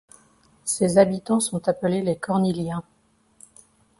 Ses habitants sont appelés les Corniliens.